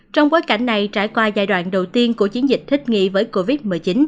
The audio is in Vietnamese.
trong bối cảnh này trải qua giai đoạn đầu tiên của chiến dịch thích nghi với covid một mươi chín